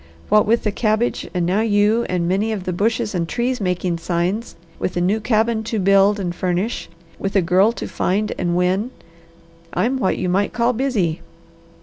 What with the cabbage, and now you, and many of the bushes and trees making signs, with a new cabin to build and furnish, with a girl to find and win, I'm what you might call busy.